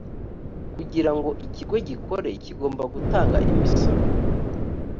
kugirango ikigo gikore kigomba gutanga imisoro